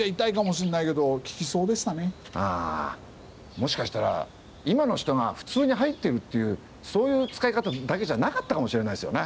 もしかしたら今の人が普通に入ってるというそういう使い方だけじゃなかったかもしれないですよね。